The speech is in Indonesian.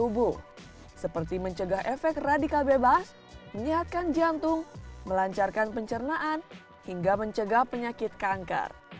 kami membuatnya untuk menjaga kemanusiaan tubuh seperti mencegah efek radikal bebas menyehatkan jantung melancarkan pencernaan hingga mencegah penyakit kanker